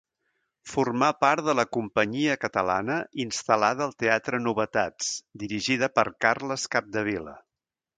Formà part de la companyia catalana instal·lada al teatre Novetats dirigida per Carles Capdevila.